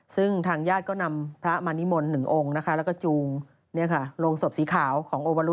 ซึ่งทางญาติก็นำพระมานิมนต์๑องค์นะคะแล้วก็จูงโรงศพสีขาวของโอบารุ